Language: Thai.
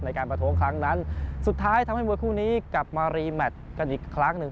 ประท้วงครั้งนั้นสุดท้ายทำให้มวยคู่นี้กลับมารีแมทกันอีกครั้งหนึ่ง